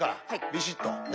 ビシッとね。